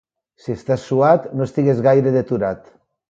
Si estàs suat no estiguis gaire deturat.